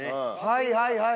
はいはいはい！